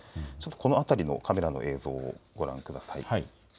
この辺りのカメラの映像をご覧ください。